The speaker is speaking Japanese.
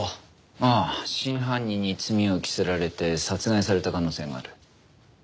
ああ真犯人に罪を着せられて殺害された可能性がある。